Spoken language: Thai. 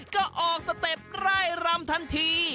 ก็ออกสเต็ปไร่รำทันที